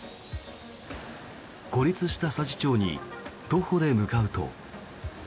孤立した佐治町に徒歩で向かうと。